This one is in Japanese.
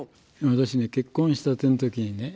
私ね結婚したての時にね